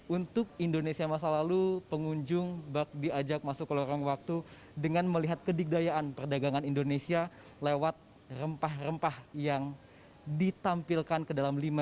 untuk indonesia masa lalu pengunjung bak diajak masuk ke lorong waktu dengan melihat kedikdayaan perdagangan indonesia lewat rempah rempah yang ditampilkan ke dalam lima delapan ratus resin atau cubes